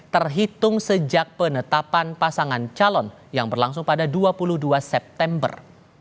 terhitung sejak penetapan pasangan calon yang berlangsung pada dua puluh dua september